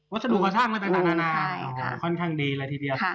สดุกระทั่งอะไรต่างนานาค่อนข้างดีเลยทีเดียว